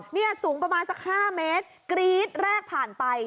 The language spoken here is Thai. นี่สูงประมาณสัก๕เมตรกรี๊ดแรกผ่านไป